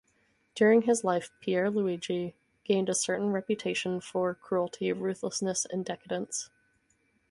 During his life Pier Luigi gained a certainy reputation for cruelty, ruthlessness and decadence.